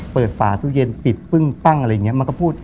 เปิดฝาทุกเย็นปิดปึ้งปั้งอะไรอย่างเงี้ยมันก็พูด